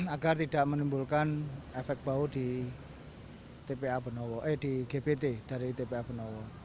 agar tidak menimbulkan efek bau di tpa di gbt dari tpa benowo